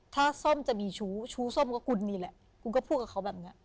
ถ้าส้มจะมีชู้ชู้ส้มก็คุณนี่แหละคุณก็พูดกับเขาแบบนี้